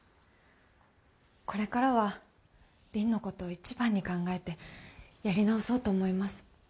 これからは凛の事を一番に考えてやり直そうと思います。